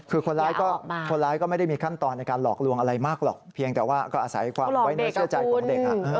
คือคนร้ายก็คนร้ายก็ไม่ได้มีขั้นตอนในการหลอกลวงอะไรมากหรอกเพียงแต่ว่าก็อาศัยความไว้เนื้อเชื่อใจของเด็ก